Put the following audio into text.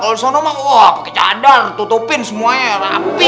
kalau di sana mah wah pakai cadar tutupin semuanya rapi